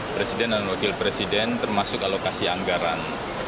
presiden dan wakil presiden termasuk alokasi anggaran